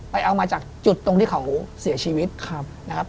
เอามาจากจุดตรงที่เขาเสียชีวิตนะครับ